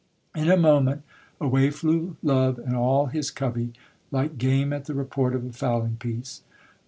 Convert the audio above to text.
In a moment, away few love and all his covey, like game at the report of a fowling piece.